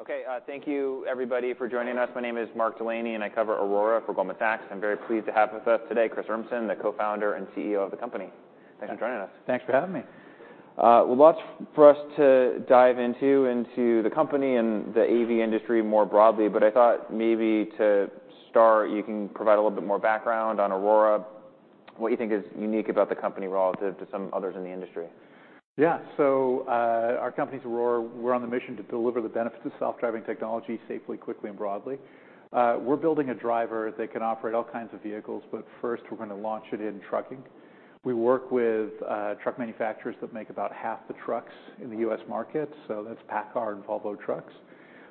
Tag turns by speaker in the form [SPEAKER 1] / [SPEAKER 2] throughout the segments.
[SPEAKER 1] Okay, thank you, everybody, for joining us. My name is Mark Delaney, and I cover Aurora for Goldman Sachs. I'm very pleased to have with us today Chris Urmson, the Co-founder and CEO of the company.
[SPEAKER 2] Thanks.
[SPEAKER 1] Thanks for joining us.
[SPEAKER 2] Thanks for having me.
[SPEAKER 1] Well, lots for us to dive into the company and the AV industry more broadly, but I thought maybe to start, you can provide a little bit more background on Aurora, what you think is unique about the company relative to some others in the industry.
[SPEAKER 2] Yeah. So, our company's Aurora. We're on the mission to deliver the benefits of self-driving technology safely, quickly, and broadly. We're building a driver that can operate all kinds of vehicles, but first, we're gonna launch it in trucking. We work with truck manufacturers that make about half the trucks in the US market, so that's PACCAR and Volvo Trucks.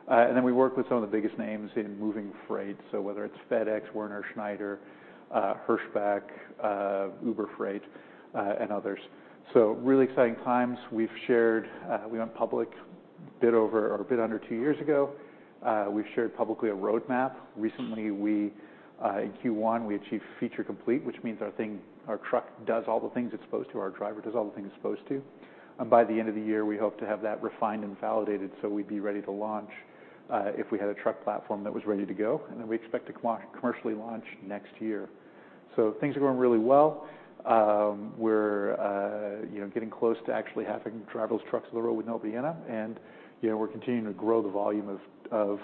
[SPEAKER 2] And then we work with some of the biggest names in moving freight, so whether it's FedEx, Werner, Schneider, Hirschbach, Uber Freight, and others. So really exciting times. We've shared. We went public a bit over or a bit under two years ago. We've shared publicly a roadmap. Recently, in Q1, we achieved Feature Complete, which means our thing, our truck, does all the things it's supposed to, our driver does all the things it's supposed to. By the end of the year, we hope to have that refined and validated, so we'd be ready to launch if we had a truck platform that was ready to go, and then we expect to commercially launch next year. So things are going really well. We're, you know, getting close to actually having to drive those trucks on the road with nobody in 'em, and, you know, we're continuing to grow the volume of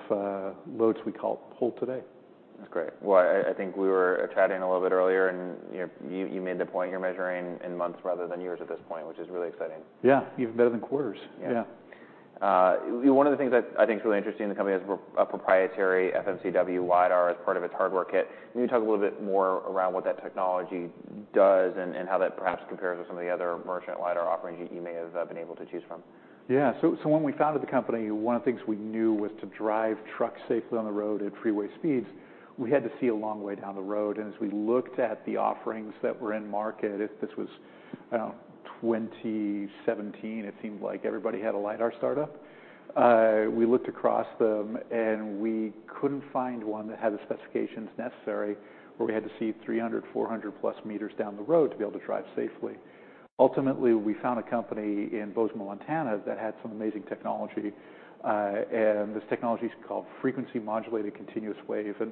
[SPEAKER 2] loads we haul today.
[SPEAKER 1] That's great. Well, I think we were chatting a little bit earlier, and, you know, you made the point you're measuring in months rather than years at this point, which is really exciting.
[SPEAKER 2] Yeah, even better than quarters.
[SPEAKER 1] Yeah.
[SPEAKER 2] Yeah.
[SPEAKER 1] One of the things that I think is really interesting, the company has a proprietary FMCW LiDAR as part of its hardware kit. Can you talk a little bit more around what that technology does and, and how that perhaps compares with some of the other merchant LiDAR offerings that you may have been able to choose from?
[SPEAKER 2] Yeah. So, so when we founded the company, one of the things we knew was to drive trucks safely on the road at freeway speeds, we had to see a long way down the road, and as we looked at the offerings that were in market, this was 2017, it seemed like everybody had a LiDAR startup. We looked across them, and we couldn't find one that had the specifications necessary where we had to see 300, 400+ meters down the road to be able to drive safely. Ultimately, we found a company in Bozeman, Montana, that had some amazing technology, and this technology is called frequency modulated continuous wave. And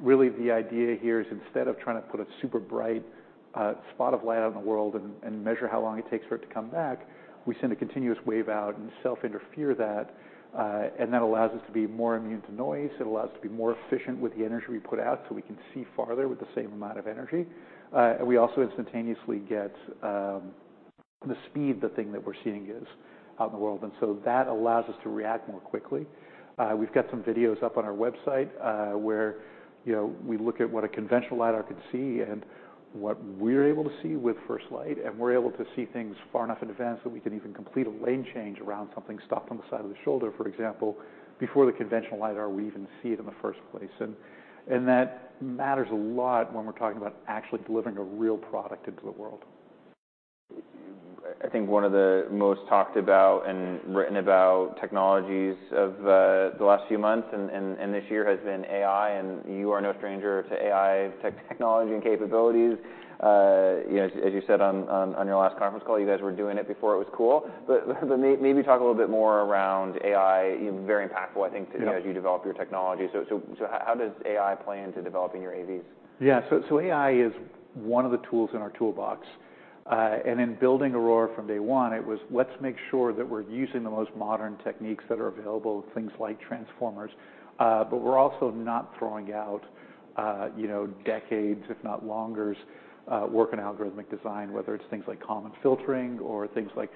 [SPEAKER 2] really, the idea here is instead of trying to put a super bright spot of light out in the world and measure how long it takes for it to come back, we send a continuous wave out and self-interfere that, and that allows us to be more immune to noise. It allows us to be more efficient with the energy we put out, so we can see farther with the same amount of energy. And we also instantaneously get the speed, the thing that we're seeing is out in the world, and so that allows us to react more quickly. We've got some videos up on our website, where, you know, we look at what a conventional LiDAR can see and what we're able to see with FirstLight. We're able to see things far enough in advance that we can even complete a lane change around something stopped on the side of the shoulder, for example, before the conventional LiDAR we even see it in the first place. And that matters a lot when we're talking about actually delivering a real product into the world.
[SPEAKER 1] I think one of the most talked about and written about technologies of the last few months and this year has been AI, and you are no stranger to AI technology and capabilities. You know, as you said on your last conference call, you guys were doing it before it was cool. But maybe talk a little bit more around AI. Very impactful, I think-
[SPEAKER 2] Yeah
[SPEAKER 1] - too, as you develop your technology. So, how does AI play into developing your AVs?
[SPEAKER 2] Yeah. So, so AI is one of the tools in our toolbox. And in building Aurora from day one, it was, let's make sure that we're using the most modern techniques that are available, things like Transformers. But we're also not throwing out, you know, decades, if not longers, work on algorithmic design, whether it's things like Kalman filtering or things like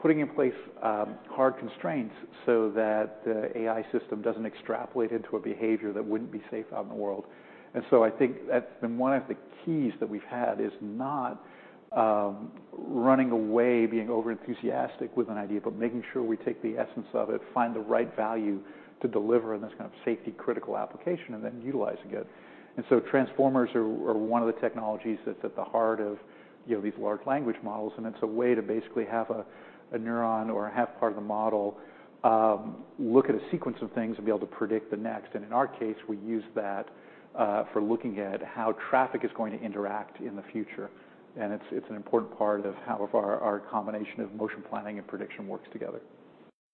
[SPEAKER 2] putting in place, hard constraints so that the AI system doesn't extrapolate into a behavior that wouldn't be safe out in the world. And so I think that's been one of the keys that we've had, is not running away, being overenthusiastic with an idea, but making sure we take the essence of it, find the right value to deliver in this kind of safety-critical application, and then utilizing it. So Transformers are one of the technologies that's at the heart of, you know, these large language models, and it's a way to basically have a neuron or a half part of the model look at a sequence of things and be able to predict the next. And in our case, we use that for looking at how traffic is going to interact in the future. And it's an important part of how our combination of motion planning and prediction works together.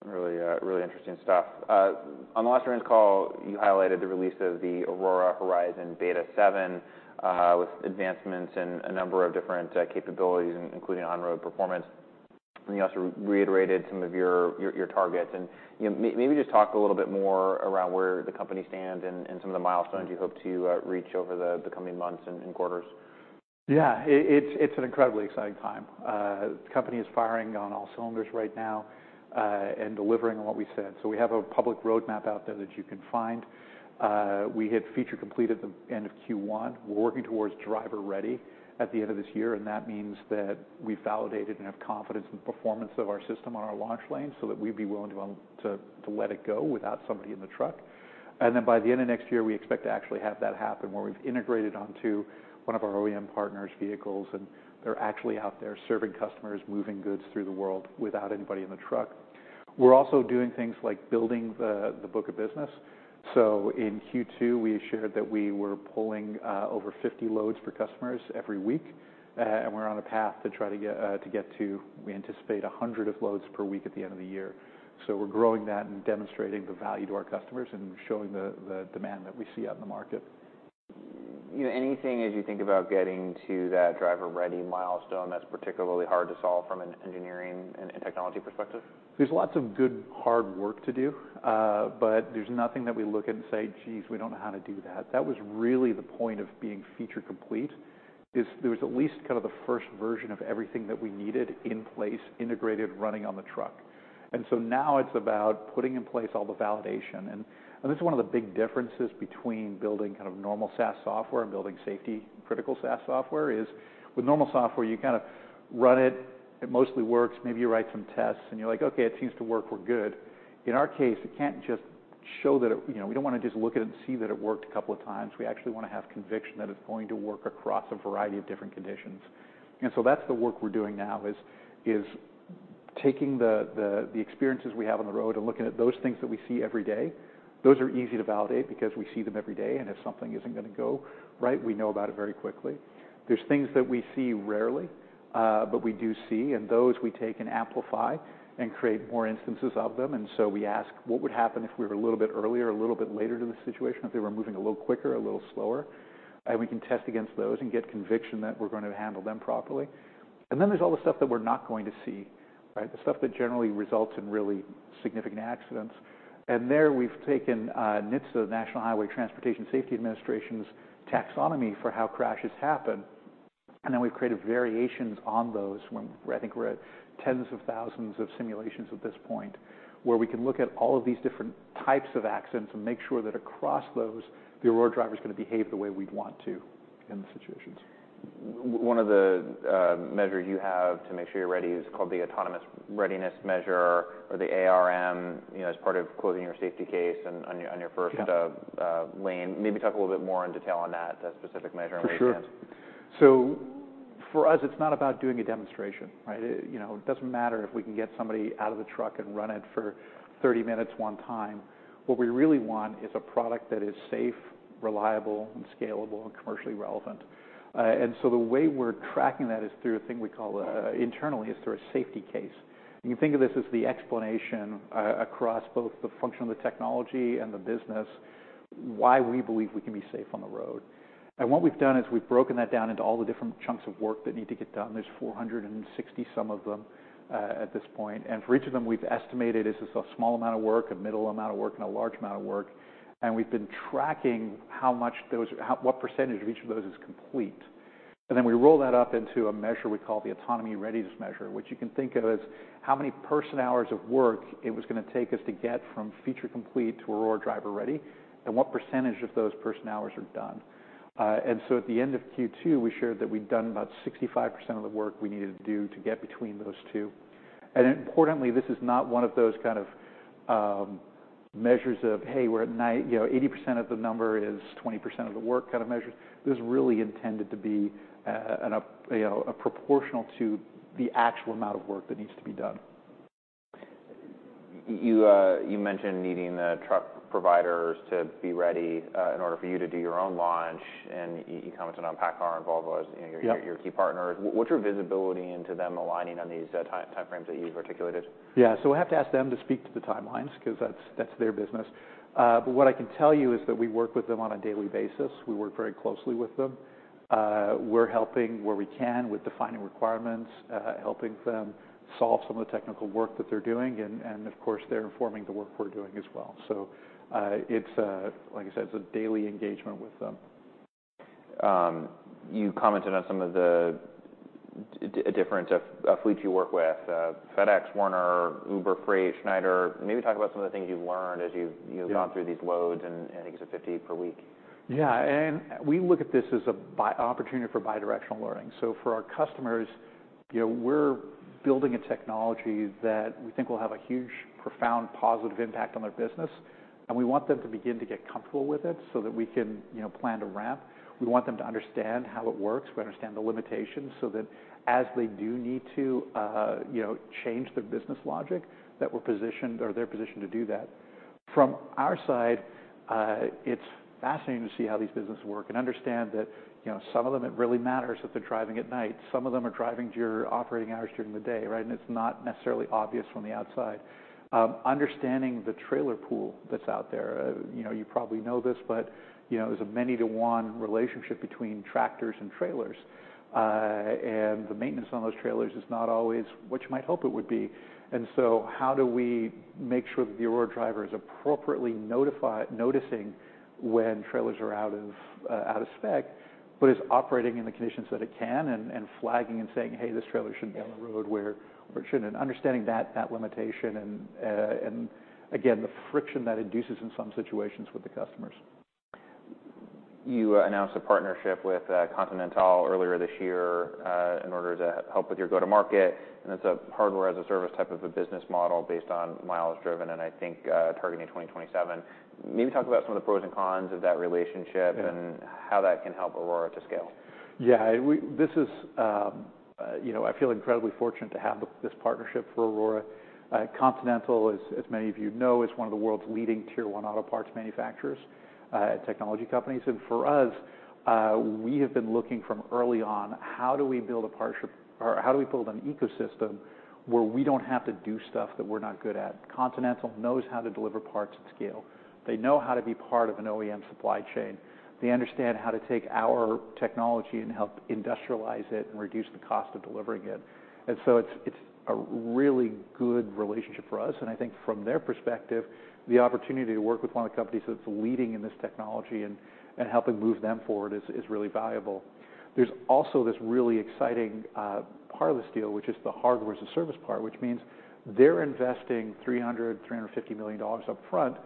[SPEAKER 1] Really, really interesting stuff. On the last earnings call, you highlighted the release of the Aurora Horizon Beta 7, with advancements in a number of different capabilities, including on-road performance. And you also reiterated some of your targets. And, you know, maybe just talk a little bit more around where the company stands and some of the milestones you hope to reach over the coming months and quarters.
[SPEAKER 2] Yeah, it's an incredibly exciting time. The company is firing on all cylinders right now, and delivering on what we said. So we have a public roadmap out there that you can find. We hit Feature Complete at the end of Q1. We're working towards Driver Ready at the end of this year, and that means that we validated and have confidence in the performance of our system on our launch lane, so that we'd be willing to let it go without somebody in the truck. And then by the end of next year, we expect to actually have that happen, where we've integrated onto one of our OEM partners' vehicles, and they're actually out there serving customers, moving goods through the world without anybody in the truck. We're also doing things like building the book of business. So in Q2, we shared that we were pulling over 50 loads for customers every week, and we're on a path to try to get to, we anticipate 100 loads per week at the end of the year. So we're growing that and demonstrating the value to our customers and showing the demand that we see out in the market.
[SPEAKER 1] You know, anything as you think about getting to that driver-ready milestone that's particularly hard to solve from an engineering and technology perspective?
[SPEAKER 2] There's lots of good, hard work to do, but there's nothing that we look at and say, "Geez, we don't know how to do that." That was really the point of being Feature Complete, is there was at least kind of the first version of everything that we needed in place, integrated, running on the truck. And so now it's about putting in place all the validation. And this is one of the big differences between building kind of normal SaaS software and building safety-critical SaaS software, is with normal software, you kind of run it, it mostly works, maybe you write some tests, and you're like, "Okay, it seems to work. We're good." In our case, it can't just show that it. You know, we don't wanna just look at it and see that it worked a couple of times. We actually want to have conviction that it's going to work across a variety of different conditions. And so that's the work we're doing now, is taking the experiences we have on the road and looking at those things that we see every day. Those are easy to validate because we see them every day, and if something isn't gonna go right, we know about it very quickly. There's things that we see rarely, but we do see, and those we take and amplify and create more instances of them. And so we ask, "What would happen if we were a little bit earlier or a little bit later to the situation? If they were moving a little quicker, a little slower?" And we can test against those and get conviction that we're going to handle them properly. Then there's all the stuff that we're not going to see, right? The stuff that generally results in really significant accidents. There we've taken NHTSA, the National Highway Traffic Safety Administration's taxonomy for how crashes happen, and then we've created variations on those. I think we're at tens of thousands of simulations at this point, where we can look at all of these different types of accidents and make sure that across those, the Aurora Driver is gonna behave the way we'd want to in the situations.
[SPEAKER 1] One of the measures you have to make sure you're ready is called the Autonomy Readiness Measure, or the ARM, you know, as part of closing your safety case on your-
[SPEAKER 2] Yeah
[SPEAKER 1] -on your first lane. Maybe talk a little bit more in detail on that, that specific measure and where you stand.
[SPEAKER 2] For sure. So for us, it's not about doing a demonstration, right? It, you know, it doesn't matter if we can get somebody out of the truck and run it for 30 minutes one time. What we really want is a product that is safe, reliable, and scalable, and commercially relevant. And so the way we're tracking that is through a thing we call, internally, is through a safety case. You can think of this as the explanation across both the function of the technology and the business, why we believe we can be safe on the road. And what we've done is we've broken that down into all the different chunks of work that need to get done. There's 460-some of them at this point, and for each of them, we've estimated is this a small amount of work, a middle amount of work, and a large amount of work. We've been tracking how much those, what percentage of each of those is complete. Then we roll that up into a measure we call the Autonomy Readiness Measure, which you can think of as how many person-hours of work it was gonna take us to get from Feature Complete to Aurora Driver-ready, and what percentage of those person-hours are done. So at the end of Q2, we shared that we'd done about 65% of the work we needed to do to get between those two. Importantly, this is not one of those kind of measures of, hey, we're at 80% of the number is 20% of the work kind of measure. This is really intended to be a you know, proportional to the actual amount of work that needs to be done.
[SPEAKER 1] You, you mentioned needing the truck providers to be ready, in order for you to do your own launch, and you commented on PACCAR and Volvo as, you know-
[SPEAKER 2] Yep
[SPEAKER 1] your key partners. What's your visibility into them aligning on these time frames that you've articulated?
[SPEAKER 2] Yeah. So we'll have to ask them to speak to the timelines, 'cause that's their business. But what I can tell you is that we work with them on a daily basis. We work very closely with them. We're helping where we can with defining requirements, helping them solve some of the technical work that they're doing, and of course, they're informing the work we're doing as well. So, like I said, it's a daily engagement with them.
[SPEAKER 1] You commented on some of the differences of fleets you work with, FedEx, Werner, Uber Freight, Schneider. Maybe talk about some of the things you've learned as you've-
[SPEAKER 2] Yeah
[SPEAKER 1] gone through these loads and, and I think it's 50 per week.
[SPEAKER 2] Yeah, and we look at this as a bidirectional opportunity for bidirectional learning. So for our customers, you know, we're building a technology that we think will have a huge, profound, positive impact on their business, and we want them to begin to get comfortable with it so that we can, you know, plan to ramp. We want them to understand how it works. We understand the limitations, so that as they do need to, you know, change their business logic, that we're positioned, or they're positioned to do that. From our side, it's fascinating to see how these businesses work and understand that, you know, some of them, it really matters that they're driving at night. Some of them are driving during operating hours during the day, right? And it's not necessarily obvious from the outside. Understanding the trailer pool that's out there. You know, you probably know this, but, you know, there's a many to one relationship between tractors and trailers. And the maintenance on those trailers is not always what you might hope it would be. And so how do we make sure that the Aurora Driver is appropriately noticing when trailers are out of spec, but is operating in the conditions that it can, and flagging and saying, "Hey, this trailer shouldn't be on the road-
[SPEAKER 1] Yeah.
[SPEAKER 2] -where it shouldn't," and understanding that, that limitation, and, and again, the friction that induces in some situations with the customers.
[SPEAKER 1] You announced a partnership with, Continental earlier this year, in order to help with your go-to-market, and it's a hardware-as-a-service type of a business model based on miles driven, and I think, targeting 2027. Maybe talk about some of the pros and cons of that relationship-
[SPEAKER 2] Yeah.
[SPEAKER 1] and how that can help Aurora to scale.
[SPEAKER 2] Yeah, this is, you know, I feel incredibly fortunate to have this partnership for Aurora. Continental, as many of you know, is one of the world's leading tier one auto parts manufacturers and technology companies. And for us, we have been looking from early on, how do we build a partnership or how do we build an ecosystem where we don't have to do stuff that we're not good at? Continental knows how to deliver parts at scale. They know how to be part of an OEM supply chain. They understand how to take our technology and help industrialize it, and reduce the cost of delivering it. And so it's a really good relationship for us, and I think from their perspective, the opportunity to work with one of the companies that's leading in this technology and helping move them forward is really valuable. There's also this really exciting part of this deal, which is the hardware as a service part, which means they're investing $350 million upfront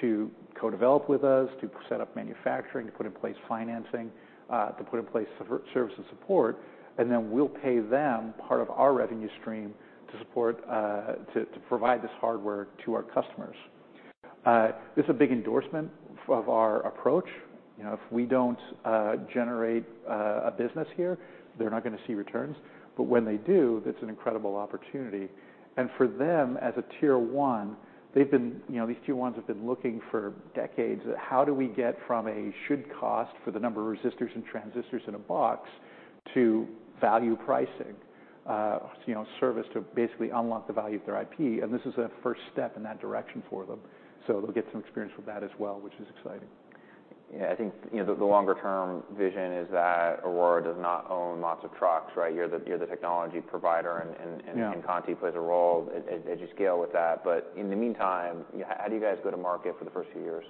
[SPEAKER 2] to co-develop with us, to set up manufacturing, to put in place financing, to put in place service and support, and then we'll pay them part of our revenue stream to support to provide this hardware to our customers. This is a big endorsement of our approach. You know, if we don't generate a business here, they're not gonna see returns. But when they do, that's an incredible opportunity. And for them, as a tier one, they've been—you know, these tier ones have been looking for decades at how do we get from a should-cost for the number of resistors and transistors in a box to value pricing, you know, service to basically unlock the value of their IP, and this is a first step in that direction for them. So they'll get some experience with that as well, which is exciting.
[SPEAKER 1] Yeah, I think, you know, the longer-term vision is that Aurora does not own lots of trucks, right? You're the technology provider, and-
[SPEAKER 2] Yeah...
[SPEAKER 1] and Conti plays a role as, as you scale with that. But in the meantime, how do you guys go to market for the first few years?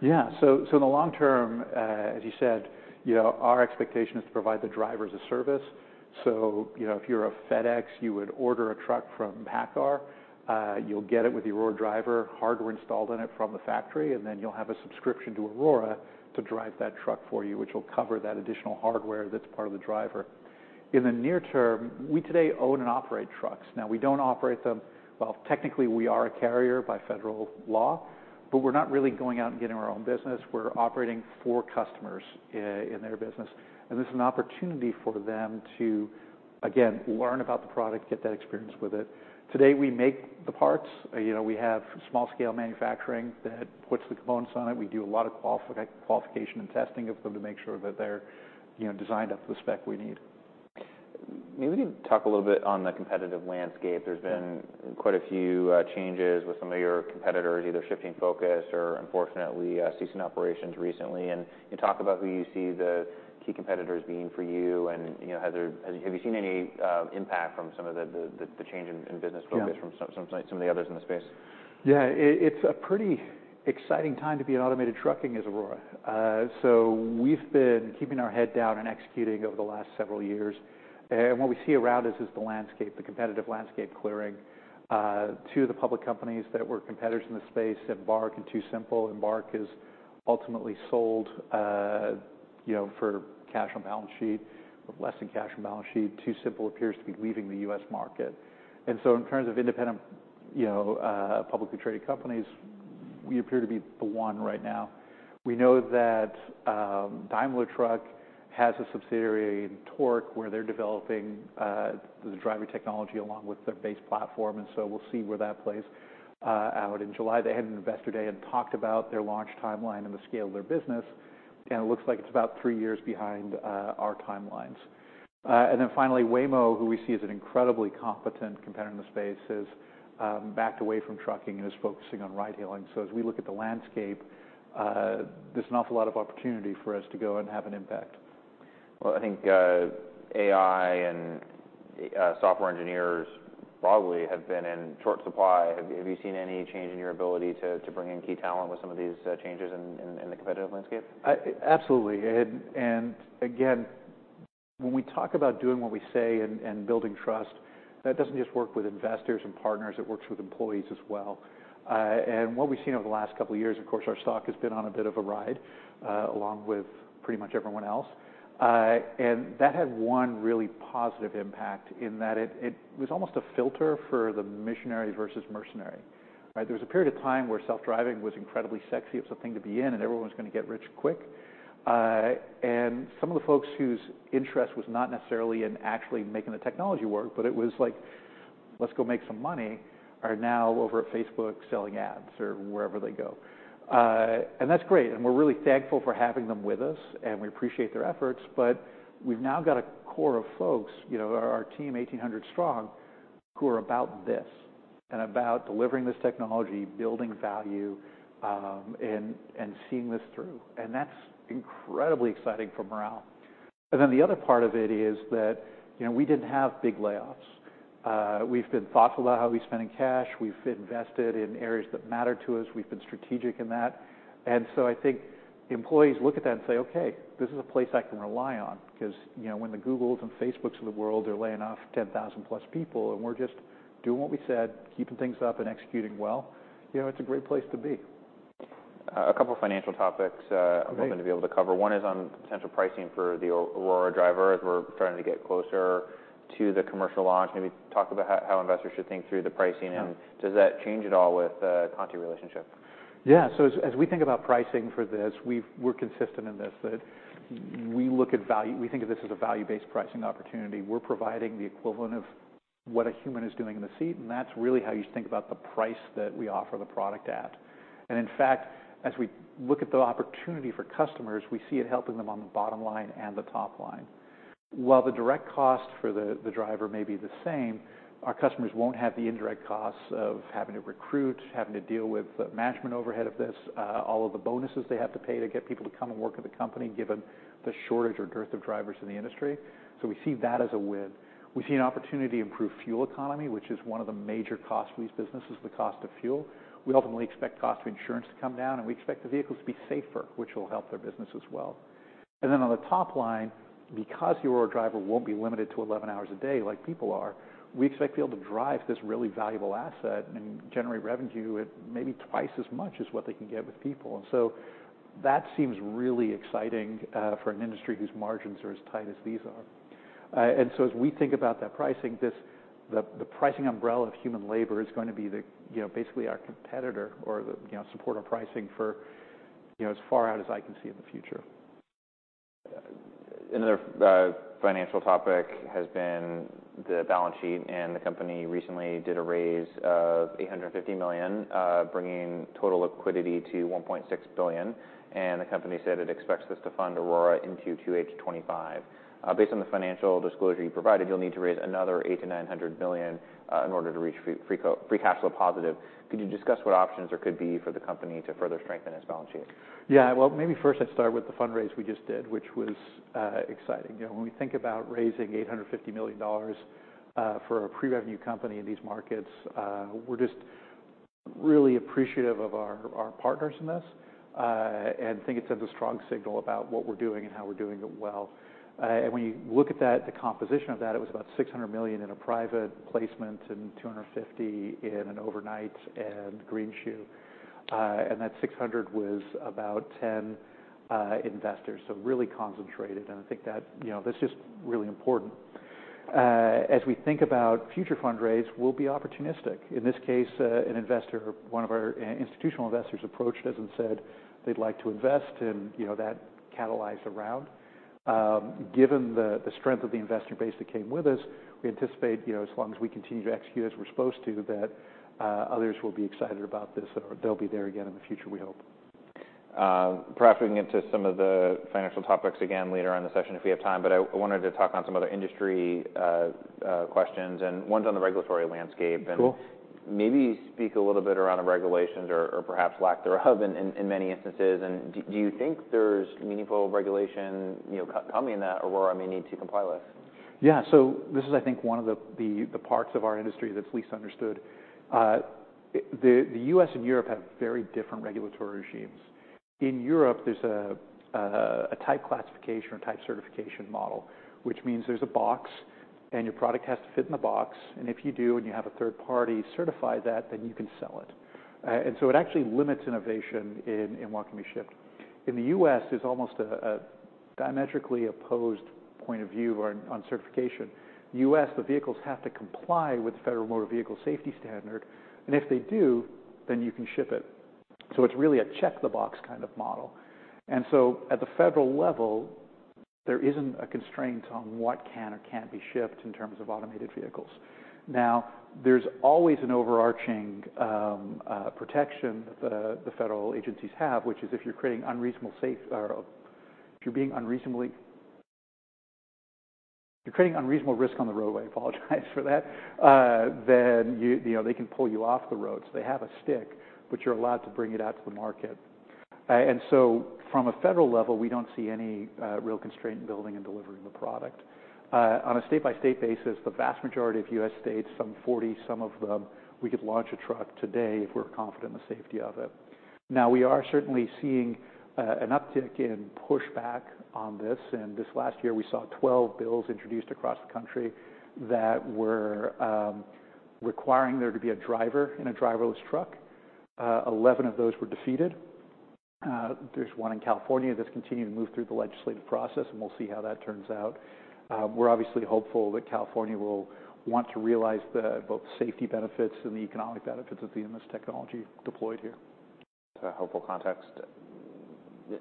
[SPEAKER 2] Yeah. So, in the long term, as you said, you know, our expectation is to provide the drivers a service. So, you know, if you're a FedEx, you would order a truck from PACCAR, you'll get it with the Aurora Driver hardware installed in it from the factory, and then you'll have a subscription to Aurora to drive that truck for you, which will cover that additional hardware that's part of the driver. In the near term, we today own and operate trucks. Now, we don't operate them, well, technically, we are a carrier by federal law, but we're not really going out and getting our own business. We're operating for customers in their business, and this is an opportunity for them to, again, learn about the product, get that experience with it. Today, we make the parts. You know, we have small-scale manufacturing that puts the components on it. We do a lot of qualification and testing of them to make sure that they're, you know, designed up to the spec we need.
[SPEAKER 1] Maybe we can talk a little bit on the competitive landscape.
[SPEAKER 2] Yeah.
[SPEAKER 1] There's been quite a few changes with some of your competitors, either shifting focus or unfortunately, ceasing operations recently. Can you talk about who you see the key competitors being for you, and, you know, have you seen any impact from some of the, the change in business-
[SPEAKER 2] Yeah
[SPEAKER 1] focus from some of the others in the space?
[SPEAKER 2] Yeah. It, it's a pretty exciting time to be in automated trucking as Aurora. So we've been keeping our head down and executing over the last several years. And what we see around us is the landscape, the competitive landscape clearing. Two of the public companies that were competitors in the space, Embark and TuSimple. Embark is ultimately sold, you know, for cash on balance sheet, but less than cash on balance sheet. TuSimple appears to be leaving the U.S. market. And so in terms of independent, you know, publicly traded companies, we appear to be the one right now. We know that, Daimler Truck has a subsidiary in Torc, where they're developing the driving technology along with their base platform, and so we'll see where that plays out. In July, they had an Investor Day and talked about their launch timeline and the scale of their business, and it looks like it's about three years behind our timelines. And then finally, Waymo, who we see as an incredibly competent competitor in the space, has backed away from trucking and is focusing on ride-hailing. So as we look at the landscape, there's an awful lot of opportunity for us to go and have an impact.
[SPEAKER 1] Well, I think, AI and software engineers probably have been in short supply. Have you seen any change in your ability to bring in key talent with some of these changes in the competitive landscape?
[SPEAKER 2] Absolutely. And again, when we talk about doing what we say and building trust, that doesn't just work with investors and partners. It works with employees as well. And what we've seen over the last couple of years, of course, our stock has been on a bit of a ride, along with pretty much everyone else. And that had one really positive impact in that it was almost a filter for the missionary versus mercenary, right? There was a period of time where self-driving was incredibly sexy. It was a thing to be in, and everyone was going to get rich quick. And some of the folks whose interest was not necessarily in actually making the technology work, but it was like, "Let's go make some money," are now over at Facebook, selling ads or wherever they go. And that's great, and we're really thankful for having them with us, and we appreciate their efforts, but we've now got a core of folks, you know, our team, 1,800 strong, who are about this and about delivering this technology, building value, and seeing this through. And that's incredibly exciting for morale. And then the other part of it is that, you know, we didn't have big layoffs. We've been thoughtful about how we're spending cash. We've invested in areas that matter to us. We've been strategic in that. So I think employees look at that and say, "Okay, this is a place I can rely on." Because, you know, when the Googles and Facebooks of the world are laying off 10,000+ people, and we're just doing what we said, keeping things up and executing well, you know, it's a great place to be....
[SPEAKER 1] a couple financial topics,
[SPEAKER 2] Okay.
[SPEAKER 1] I'm hoping to be able to cover. One is on potential pricing for the Aurora Driver, as we're starting to get closer to the commercial launch. Maybe talk about how investors should think through the pricing-
[SPEAKER 2] Yeah.
[SPEAKER 1] Does that change at all with the Conti relationship?
[SPEAKER 2] Yeah, so as we think about pricing for this, we're consistent in this, that we look at value, we think of this as a value-based pricing opportunity. We're providing the equivalent of what a human is doing in the seat, and that's really how you should think about the price that we offer the product at. And in fact, as we look at the opportunity for customers, we see it helping them on the bottom line and the top line. While the direct cost for the driver may be the same, our customers won't have the indirect costs of having to recruit, having to deal with the management overhead of this, all of the bonuses they have to pay to get people to come and work at the company, given the shortage or dearth of drivers in the industry. So we see that as a win. We see an opportunity to improve fuel economy, which is one of the major costs for these businesses, the cost of fuel. We ultimately expect cost of insurance to come down, and we expect the vehicles to be safer, which will help their business as well. And then on the top line, because the Aurora Driver won't be limited to 11 hours a day, like people are, we expect to be able to drive this really valuable asset and generate revenue at maybe twice as much as what they can get with people. And so that seems really exciting, for an industry whose margins are as tight as these are. So as we think about that pricing, the pricing umbrella of human labor is going to be the, you know, basically our competitor or the, you know, support our pricing for, you know, as far out as I can see in the future.
[SPEAKER 1] Another financial topic has been the balance sheet, and the company recently did a raise of $850 million, bringing total liquidity to $1.6 billion, and the company said it expects this to fund Aurora into 2H 2025. Based on the financial disclosure you provided, you'll need to raise another $800 million-$900 million in order to reach free cash flow positive. Could you discuss what options there could be for the company to further strengthen its balance sheet?
[SPEAKER 2] Yeah. Well, maybe first I'd start with the fundraise we just did, which was exciting. You know, when we think about raising $850 million for a pre-revenue company in these markets, we're just really appreciative of our partners in this and think it sends a strong signal about what we're doing and how we're doing it well. And when you look at that, the composition of that, it was about $600 million in a private placement and $250 million in an overnight and greenshoe, and that $600 million was about 10 investors, so really concentrated, and I think that, you know, that's just really important. As we think about future fundraise, we'll be opportunistic. In this case, an investor, one of our institutional investors approached us and said they'd like to invest, and, you know, that catalyzed a round. Given the strength of the investor base that came with us, we anticipate, you know, as long as we continue to execute as we're supposed to, that others will be excited about this, or they'll be there again in the future, we hope.
[SPEAKER 1] Perhaps we can get to some of the financial topics again later in the session if we have time, but I wanted to talk on some other industry questions, and one's on the regulatory landscape.
[SPEAKER 2] Cool.
[SPEAKER 1] Maybe speak a little bit around the regulations or perhaps lack thereof in many instances. Do you think there's meaningful regulation, you know, coming that Aurora may need to comply with?
[SPEAKER 2] Yeah. So this is, I think, one of the parts of our industry that's least understood. The US and Europe have very different regulatory regimes. In Europe, there's a type classification or type certification model, which means there's a box, and your product has to fit in the box, and if you do, and you have a third party certify that, then you can sell it. And so it actually limits innovation in what can be shipped. In the US, there's almost a diametrically opposed point of view on certification. The vehicles have to comply with the Federal Motor Vehicle Safety Standard, and if they do, then you can ship it. So it's really a check-the-box kind of model. So at the federal level, there isn't a constraint on what can or can't be shipped in terms of automated vehicles. Now, there's always an overarching protection that the federal agencies have, which is if you're creating unreasonable risk on the roadway. I apologize for that, then you know, they can pull you off the road. So they have a stick, but you're allowed to bring it out to the market. And so from a federal level, we don't see any real constraint in building and delivering the product. On a state-by-state basis, the vast majority of U.S. states, some 40, some of them, we could launch a truck today if we're confident in the safety of it. Now, we are certainly seeing an uptick in pushback on this, and this last year, we saw 12 bills introduced across the country that were requiring there to be a driver in a driverless truck. Eleven of those were defeated. There's one in California that's continuing to move through the legislative process, and we'll see how that turns out. We're obviously hopeful that California will want to realize the both the safety benefits and the economic benefits of seeing this technology deployed here.
[SPEAKER 1] That's a helpful context.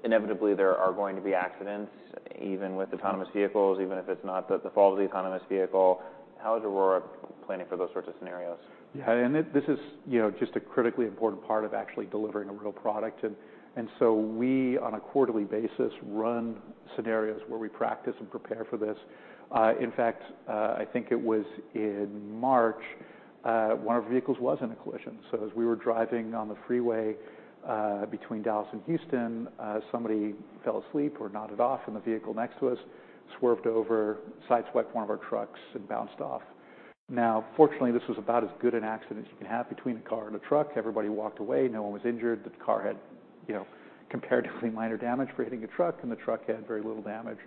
[SPEAKER 1] Inevitably, there are going to be accidents, even with autonomous vehicles, even if it's not the fault of the autonomous vehicle. How is Aurora planning for those sorts of scenarios?
[SPEAKER 2] Yeah, and this, this is, you know, just a critically important part of actually delivering a real product. And so we, on a quarterly basis, run scenarios where we practice and prepare for this. In fact, I think it was in March, one of our vehicles was in a collision. So as we were driving on the freeway, between Dallas and Houston, somebody fell asleep or nodded off in the vehicle next to us, swerved over, sideswiped one of our trucks, and bounced off. Now, fortunately, this was about as good an accident as you can have between a car and a truck. Everybody walked away. No one was injured. The car had, you know, comparatively minor damage for hitting a truck, and the truck had very little damage.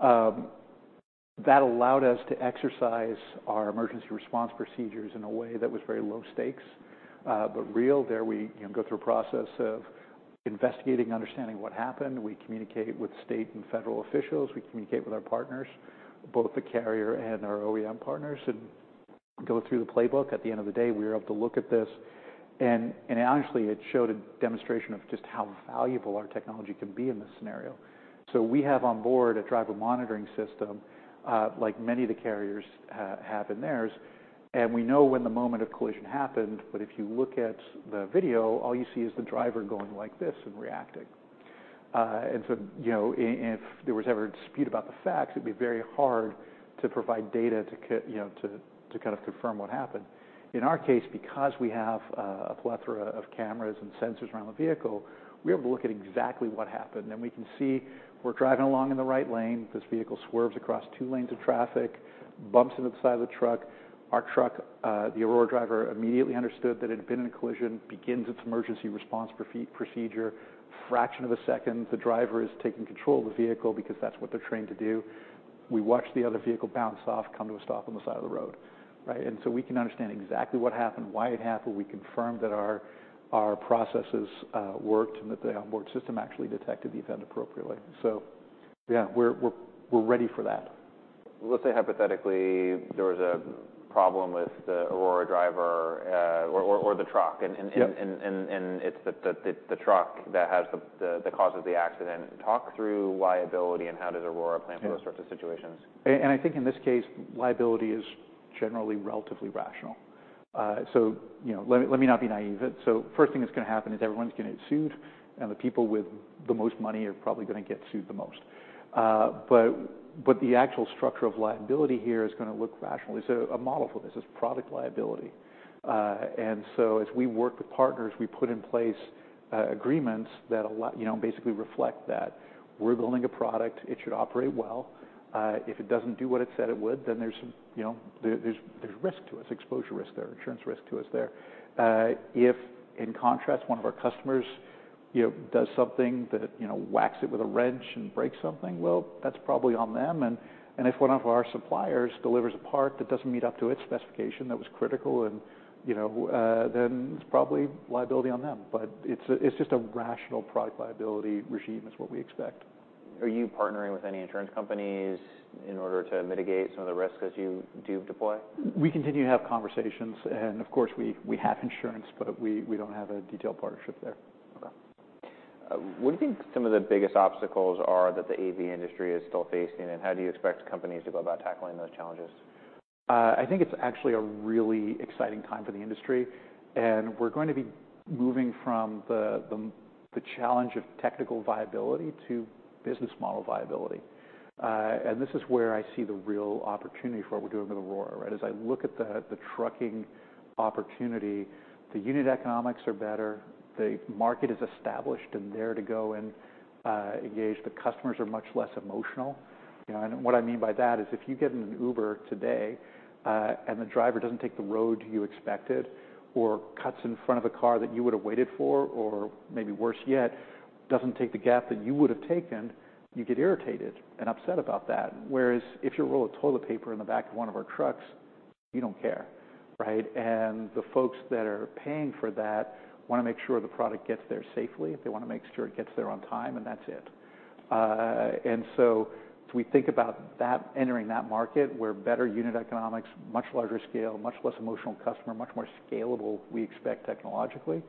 [SPEAKER 2] that allowed us to exercise our emergency response procedures in a way that was very low stakes, but real. There we, you know, go through a process of investigating, understanding what happened. We communicate with state and federal officials. We communicate with our partners, both the carrier and our OEM partners, and go through the playbook. At the end of the day, we were able to look at this, and honestly, it showed a demonstration of just how valuable our technology can be in this scenario. So we have on board a driver monitoring system, like many of the carriers have in theirs, and we know when the moment of collision happened. But if you look at the video, all you see is the driver going like this and reacting. So, you know, if there was ever a dispute about the facts, it'd be very hard to provide data to, you know, kind of confirm what happened. In our case, because we have a plethora of cameras and sensors around the vehicle, we are able to look at exactly what happened, and we can see we're driving along in the right lane. This vehicle swerves across two lanes of traffic, bumps into the side of the truck. Our truck, the Aurora Driver immediately understood that it had been in a collision, begins its emergency response procedure. Fraction of a second, the driver is taking control of the vehicle because that's what they're trained to do. We watch the other vehicle bounce off, come to a stop on the side of the road, right? And so we can understand exactly what happened, why it happened. We confirmed that our processes worked, and that the onboard system actually detected the event appropriately. So yeah, we're ready for that.
[SPEAKER 1] Let's say, hypothetically, there was a problem with the Aurora Driver, or the truck-
[SPEAKER 2] Yep.
[SPEAKER 1] It's the truck that causes the accident. Talk through liability and how does Aurora plan-
[SPEAKER 2] Yeah
[SPEAKER 1] - for those sorts of situations?
[SPEAKER 2] I think in this case, liability is generally relatively rational. So, you know, let me not be naive. So first thing that's gonna happen is everyone's gonna get sued, and the people with the most money are probably gonna get sued the most. But the actual structure of liability here is gonna look rational. There's a model for this. It's product liability. And so as we work with partners, we put in place agreements that allow—you know, basically reflect that. We're building a product, it should operate well. If it doesn't do what it said it would, then there's, you know, there's risk to us, exposure risk there, insurance risk to us there. If in contrast, one of our customers, you know, does something that, you know, whacks it with a wrench and breaks something, well, that's probably on them. And if one of our suppliers delivers a part that doesn't meet up to its specification, that was critical and, you know, then it's probably liability on them. But it's just a rational product liability regime is what we expect.
[SPEAKER 1] Are you partnering with any insurance companies in order to mitigate some of the risk as you do deploy?
[SPEAKER 2] We continue to have conversations, and of course, we have insurance, but we don't have a detailed partnership there.
[SPEAKER 1] Okay. What do you think some of the biggest obstacles are that the AV industry is still facing, and how do you expect companies to go about tackling those challenges?
[SPEAKER 2] I think it's actually a really exciting time for the industry, and we're going to be moving from the challenge of technical viability to business model viability. And this is where I see the real opportunity for what we're doing with Aurora, right? As I look at the trucking opportunity, the unit economics are better, the market is established and there to go and engage, the customers are much less emotional. You know, and what I mean by that is, if you get in an Uber today, and the driver doesn't take the road you expected, or cuts in front of a car that you would have waited for, or maybe worse yet, doesn't take the gap that you would have taken, you get irritated and upset about that. Whereas if you roll a toilet paper in the back of one of our trucks, you don't care, right? And the folks that are paying for that want to make sure the product gets there safely. They want to make sure it gets there on time, and that's it. And so as we think about that, entering that market, where better unit economics, much larger scale, much less emotional customer, much more scalable, we expect technologically,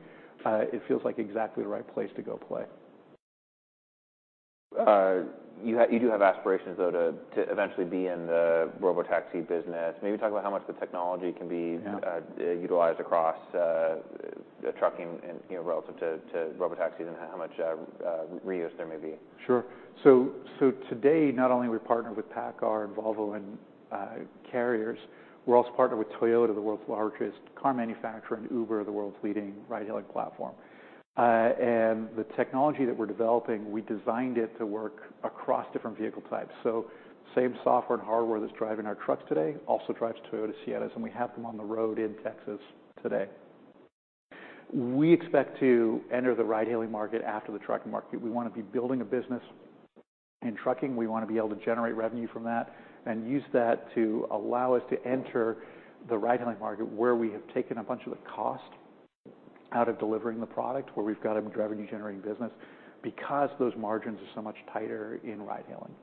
[SPEAKER 2] it feels like exactly the right place to go play.
[SPEAKER 1] You do have aspirations, though, to eventually be in the robotaxi business. Maybe talk about how much the technology can be-
[SPEAKER 2] Yeah...
[SPEAKER 1] utilized across the trucking and, you know, relative to, to robotaxis and how much reuse there may be.
[SPEAKER 2] Sure. So today, not only are we partnered with PACCAR and Volvo and carriers, we're also partnered with Toyota, the world's largest car manufacturer, and Uber, the world's leading ride-hailing platform. And the technology that we're developing, we designed it to work across different vehicle types. So same software and hardware that's driving our trucks today also drives Toyota Siennas, and we have them on the road in Texas today. We expect to enter the ride-hailing market after the trucking market. We want to be building a business in trucking. We want to be able to generate revenue from that and use that to allow us to enter the ride-hailing market, where we have taken a bunch of the cost out of delivering the product, where we've got a revenue-generating business because those margins are so much tighter in ride hailing.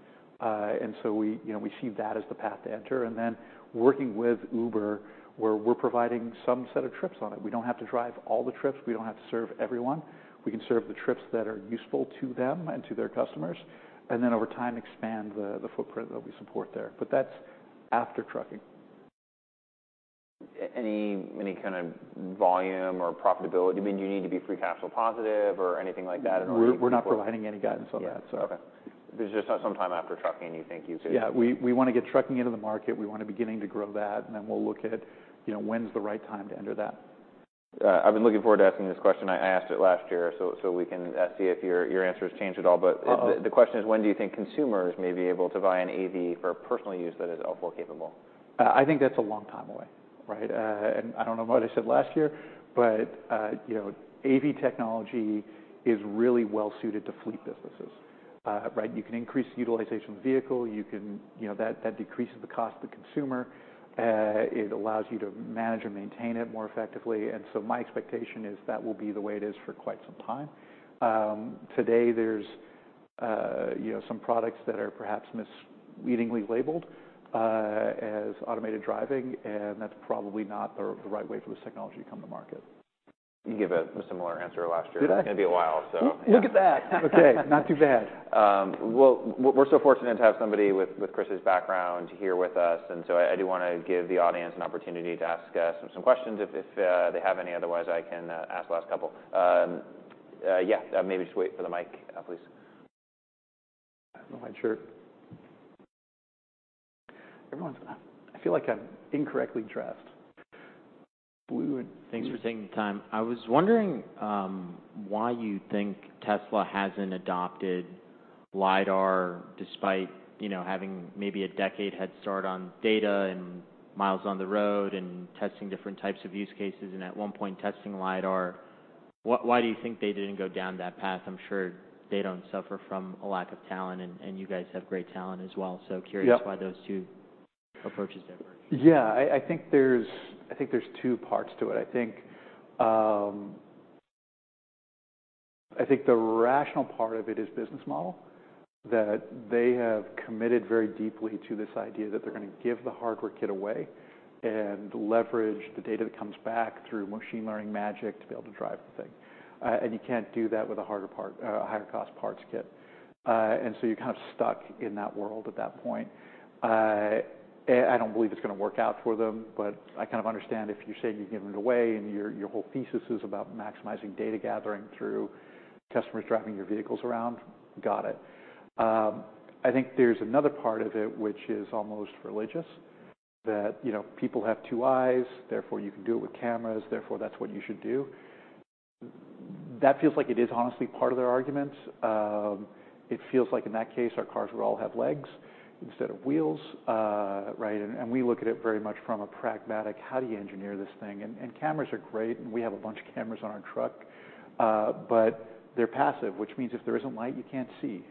[SPEAKER 2] And so we, you know, we see that as the path to enter and then working with Uber, where we're providing some set of trips on it. We don't have to drive all the trips, we don't have to serve everyone. We can serve the trips that are useful to them and to their customers, and then over time, expand the footprint that we support there. But that's after trucking.
[SPEAKER 1] Any kind of volume or profitability? I mean, do you need to be free cash flow positive or anything like that in order-
[SPEAKER 2] We're not providing any guidance on that.
[SPEAKER 1] Yeah.
[SPEAKER 2] So-
[SPEAKER 1] Okay. There's just some time after trucking, you think you should...
[SPEAKER 2] Yeah, we wanna get trucking into the market. We want to be beginning to grow that, and then we'll look at, you know, when's the right time to enter that.
[SPEAKER 1] I've been looking forward to asking this question. I asked it last year, so we can see if your answers change at all.
[SPEAKER 2] Uh-oh.
[SPEAKER 1] The question is: when do you think consumers may be able to buy an AV for personal use that is alpha capable?
[SPEAKER 2] I think that's a long time away.... Right, and I don't know what I said last year, but, you know, AV technology is really well-suited to fleet businesses. Right, you can increase the utilization of the vehicle. You can, you know, that decreases the cost to the consumer. It allows you to manage and maintain it more effectively, and so my expectation is that will be the way it is for quite some time. Today there's, you know, some products that are perhaps misleadingly labeled, as automated driving, and that's probably not the right way for this technology to come to market.
[SPEAKER 1] You gave a similar answer last year.
[SPEAKER 2] Did I?
[SPEAKER 1] It's gonna be a while, so yeah.
[SPEAKER 2] Look at that! Okay, not too bad.
[SPEAKER 1] Well, we're so fortunate to have somebody with Chris's background here with us, and so I do wanna give the audience an opportunity to ask some questions if they have any. Otherwise, I can ask the last couple. Yeah, maybe just wait for the mic, please.
[SPEAKER 2] My shirt. Everyone... I feel like I'm incorrectly dressed. Blue and-
[SPEAKER 3] Thanks for taking the time. I was wondering why you think Tesla hasn't adopted LIDAR despite, you know, having maybe a decade head start on data and miles on the road and testing different types of use cases, and at one point, testing LIDAR. Why do you think they didn't go down that path? I'm sure they don't suffer from a lack of talent, and you guys have great talent as well.
[SPEAKER 2] Yep.
[SPEAKER 3] So curious why those two approaches diverge.
[SPEAKER 2] Yeah, I think there's two parts to it. I think the rational part of it is business model, that they have committed very deeply to this idea that they're gonna give the hardware kit away and leverage the data that comes back through machine learning magic to be able to drive the thing. And you can't do that with a hardware, a higher cost parts kit. And so you're kind of stuck in that world at that point. I don't believe it's gonna work out for them, but I kind of understand if you say you're giving it away, and your whole thesis is about maximizing data gathering through customers driving your vehicles around. Got it. I think there's another part of it, which is almost religious, that, you know, people have two eyes, therefore you can do it with cameras, therefore, that's what you should do. That feels like it is honestly part of their argument. It feels like in that case, our cars would all have legs instead of wheels. Right, and we look at it very much from a pragmatic, how do you engineer this thing? And cameras are great, and we have a bunch of cameras on our truck, but they're passive, which means if there isn't light, you can't see.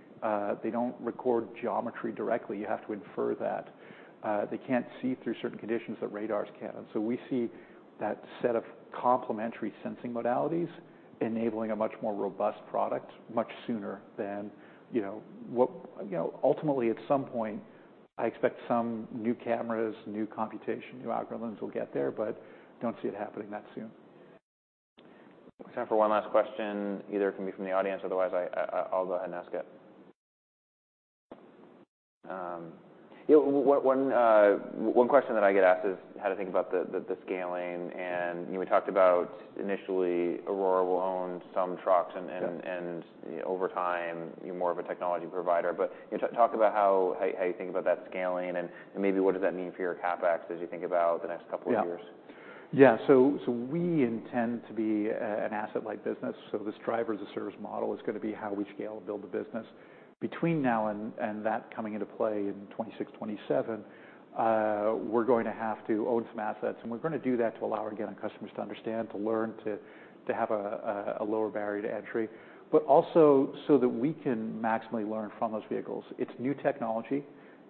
[SPEAKER 2] They don't record geometry directly. You have to infer that. They can't see through certain conditions that radars can. So we see that set of complementary sensing modalities enabling a much more robust product, much sooner than, you know, what... You know, ultimately, at some point, I expect some new cameras, new computation, new algorithms will get there, but don't see it happening that soon.
[SPEAKER 1] Time for one last question. Either it can be from the audience, otherwise I'll go ahead and ask it. One question that I get asked is how to think about the scaling and, you know, we talked about initially, Aurora will own some trucks-
[SPEAKER 2] Yep…
[SPEAKER 1] and over time, you're more of a technology provider. But talk about how you think about that scaling, and maybe what does that mean for your CapEx as you think about the next couple of years?
[SPEAKER 2] Yeah. Yeah, so we intend to be an asset-light business. So this driver-as-a-service model is gonna be how we scale and build the business. Between now and that coming into play in 2026, 2027, we're going to have to own some assets, and we're gonna do that to allow, again, our customers to understand, to learn, to have a lower barrier to entry. But also so that we can maximally learn from those vehicles. It's new technology.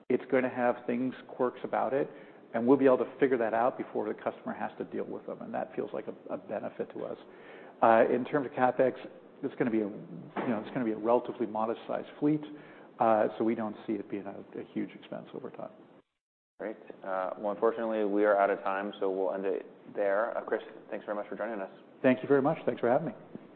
[SPEAKER 2] It's gonna have things, quirks about it, and we'll be able to figure that out before the customer has to deal with them, and that feels like a benefit to us. In terms of CapEx, it's gonna be a, you know, it's gonna be a relatively modest-sized fleet, so we don't see it being a huge expense over time.
[SPEAKER 1] Great. Well, unfortunately, we are out of time, so we'll end it there. Chris, thanks very much for joining us.
[SPEAKER 2] Thank you very much. Thanks for having me.